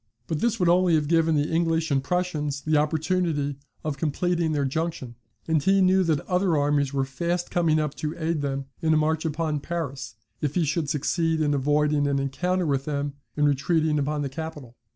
But this would only have given the English and Prussians the opportunity of completing their junction; and he knew that other armies were fast coming up to aid them in a march upon Paris, if he should succeed in avoiding an encounter with them, and retreating upon the capital.